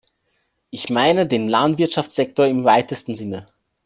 Ich meine den Landwirtschaftssektor im weitesten Sinne.